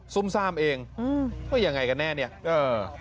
ุ่มซ่ามเองอืมว่ายังไงกันแน่เนี่ยเออ